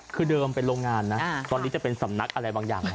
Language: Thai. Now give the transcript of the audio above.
คือเดิมเป็นโรงงานนะตอนนี้จะเป็นสำนักอะไรบางอย่าง